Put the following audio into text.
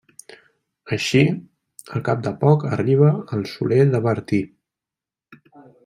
Així, al cap de poc arriba al Soler de Bertí.